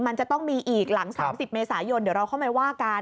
มันจะต้องมีอีกหลัง๓๐เมษายนเดี๋ยวเราค่อยว่ากัน